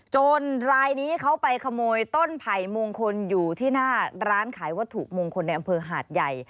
รายนี้เขาไปขโมยต้นไผ่มงคลอยู่ที่หน้าร้านขายวัตถุมงคลในอำเภอหาดใหญ่